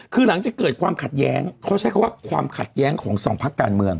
คือหลังจากเกิดความขัดแย้งเขาใช้คำว่าความขัดแย้งของสองพักการเมือง